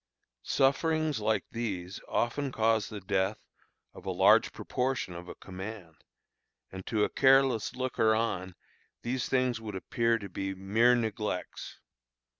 Sufferings like these often cause the death of a large proportion of a command; and to a careless looker on these things would appear to be mere neglects.